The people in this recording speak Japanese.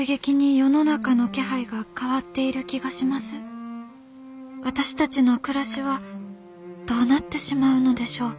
私たちの暮らしはどうなってしまうのでしょう」。